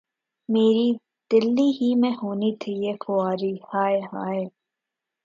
میری‘ دلی ہی میں ہونی تھی یہ خواری‘ ہائے ہائے!